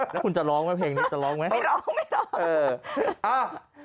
แล้วคุณจะร้องไหมเพลงนี้จะร้องไหมไม่ร้องไม่ร้องเออ